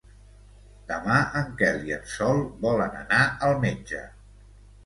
Demà en Quel i en Sol volen anar al metge.